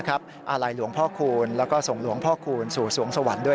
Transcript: อาลัยหลวงพ่อคูณแล้วก็ส่งหลวงพ่อคูณสู่สวงสวรรค์ด้วย